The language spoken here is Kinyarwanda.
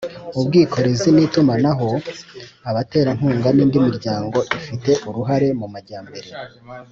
ubwikorezi n’itumanaho abaterankunga n'indi miryango ifite uruhare mu majyambere